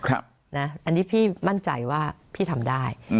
อันนี้พี่มั่นใจว่าพี่ทำได้